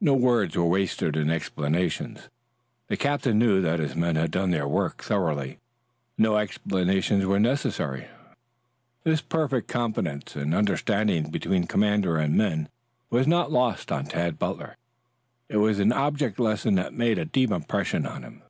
No words were wasted in explanations. The captain knew that his men had done their work thoroughly. No explanations were necessary. This perfect confidence and understanding between commander and men was not lost on Tad Butler. It was an object lesson that made a deep impression on him.